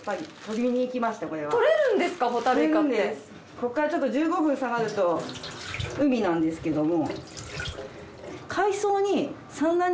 ここから１５分下がると海なんですけども。